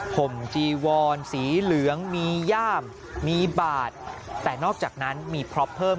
ห่มจีวอนสีเหลืองมีย่ามมีบาดแต่นอกจากนั้นมีพล็อปเพิ่ม